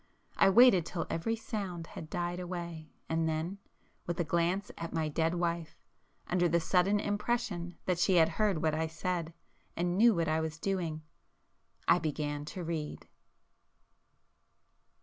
I waited till every sound had died away, and then—with a glance at my dead wife, under the sudden impression that she had heard what I said, and knew what I was doing, I began to read.